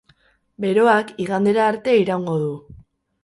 Beroak igandera arte iraungo du.